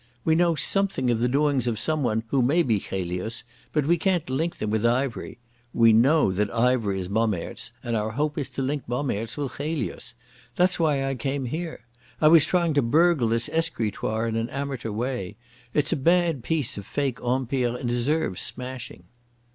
We know something of the doings of someone who may be Chelius, but we can't link them with Ivery. We know that Ivery is Bommaerts, and our hope is to link Bommaerts with Chelius. That's why I came here. I was trying to burgle this escritoire in an amateur way. It's a bad piece of fake Empire and deserves smashing."